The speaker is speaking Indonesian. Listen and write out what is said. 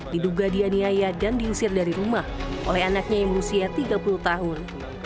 diduga dianiaya dan diusir dari rumah oleh anaknya yang berusia tiga puluh tahun